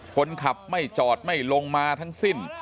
คนขับไม่จอดไม่ลงมาทั้งสิ้น